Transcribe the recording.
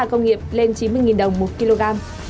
giá gà công nghiệp lên chín mươi đồng một kg